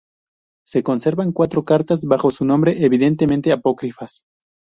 Se conservan cuatro "Cartas" bajo su nombre, evidentemente apócrifas.